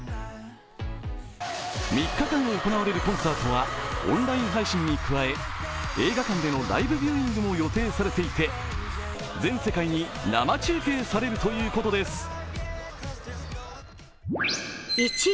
３日間行われるコンサートはオンライン配信に加え映画館でのライブビューイングも予定されていて全世界に生中継されるということです。